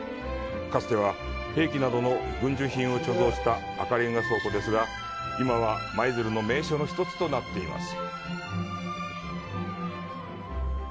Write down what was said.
かつては兵器などの軍需品を貯蔵した赤れんが倉庫ですが、今は舞鶴の名所の１つとなっています。